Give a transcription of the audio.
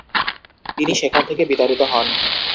তিনি সেখান থেকে বিতাড়িত হন।